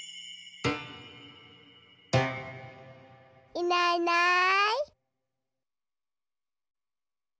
いないいない。